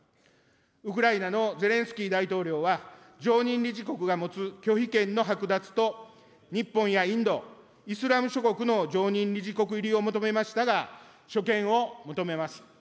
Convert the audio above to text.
ウクライナのゼレンスキー大統領は、常任理事国が持つ拒否権の剥奪と、日本やインド、イスラム諸国の常任理事国入りを求めましたが、所見を求めます。